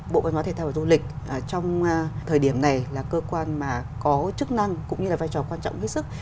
bộ văn hóa thể thao và du lịch trong thời điểm này là cơ quan mà có chức năng cũng như là vai trò quan trọng hết sức